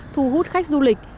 thu hút khách du lịch